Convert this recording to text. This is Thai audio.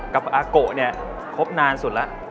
กับอาโกนี้ครบนานสุดล่ะ